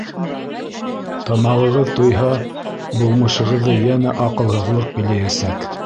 Тамағығыҙ туйһа, булмышығыҙҙы йәнә аҡылһыҙлыҡ биләйәсәк.